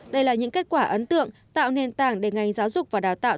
đây là những kết quả ấn tượng tạo nền tảng để ngành giáo dục và đào tạo